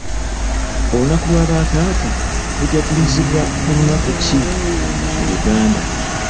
Olunaku lwa bataata lujagulizibwa ku lunaku ki mu Uganda?